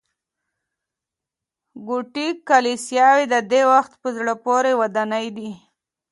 ګوتیک کلیساوې د دې وخت په زړه پورې ودانۍ دي.